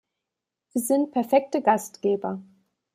Sie sind perfekte Gastgeber.